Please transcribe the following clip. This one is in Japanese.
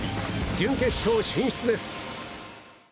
準決勝進出です。